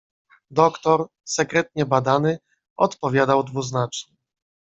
"Doktor, sekretnie badany, odpowiadał dwuznacznie."